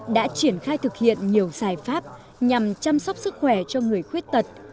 đã triển khai thực hiện nhiều giải pháp nhằm chăm sóc sức khỏe cho người khuyết tật